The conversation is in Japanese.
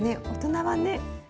大人はね